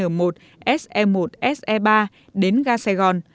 tổ chức chạy tàu tn một se một se ba đến ga sài gòn